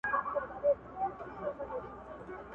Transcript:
مسلمان و مسلمان ته یښی چل دی